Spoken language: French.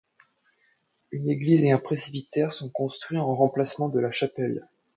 Une église et un presbytère son construit en remplacement de la chapelle.